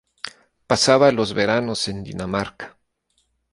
Pasaba los veranos en Dinamarca.